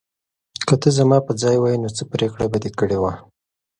که ته زما په ځای وای، نو څه پرېکړه به دې کړې وه؟